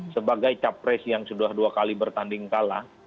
sebagai capres yang sudah dua kali bertanding kalah